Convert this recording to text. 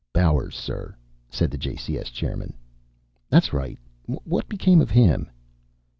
"Bowers, sir," said the JCS chairman. "That's right. What became of him?"